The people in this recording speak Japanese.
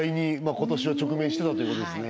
今年は直面してたということですね